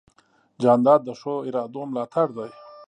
جانداد د ښو ارادو ملاتړ دی.